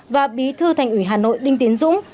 và bí thư thành ủy hà nội đinh tiến dũng